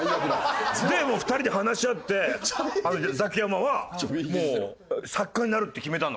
でもう２人で話し合ってザキヤマは作家になるって決めたの。